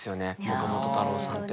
岡本太郎さんって。